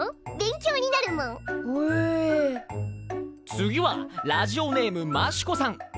次はラジオネームマシュ子さん。